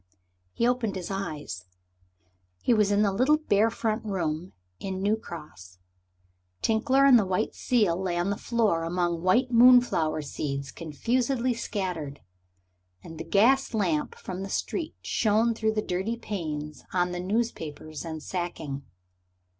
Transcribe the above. He opened his eyes. He was in the little bare front room in New Cross. Tinkler and the white seal lay on the floor among white moonflower seeds confusedly scattered, and the gas lamp from the street shone through the dirty panes on the newspapers and sacking.